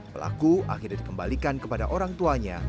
pelaku akhirnya dikembalikan kepada orang tuanya